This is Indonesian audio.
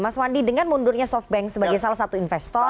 mas wandi dengan mundurnya softbank sebagai salah satu investor